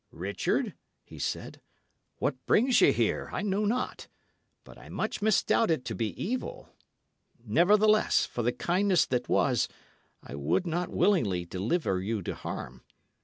"Richard," he said, "what brings you here, I know not; but I much misdoubt it to be evil. Nevertheless, for the kindness that was, I would not willingly deliver you to harm.